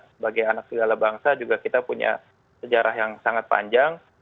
sebagai anak segala bangsa juga kita punya sejarah yang sangat panjang